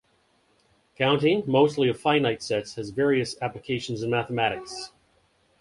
Counting, mostly of finite sets, has various applications in mathematics.